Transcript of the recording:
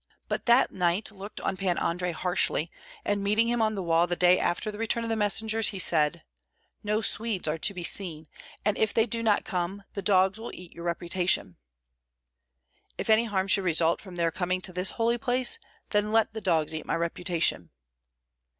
But that knight looked on Pan Andrei harshly, and meeting him on the wall the day after the return of the messengers, he said, "No Swedes are to be seen; and if they do not come, the dogs will eat your reputation." "If any harm should result from their coming to this holy place, then let the dogs eat my reputation."